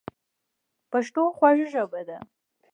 پښتو خوږه ژبه ده